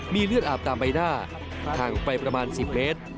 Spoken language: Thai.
มีเลือดอาบตามใบหน้าห่างออกไปประมาณ๑๐เมตร